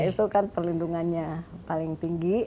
itu kan perlindungannya paling tinggi